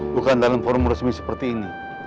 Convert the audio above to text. bukan dalam forum resmi seperti ini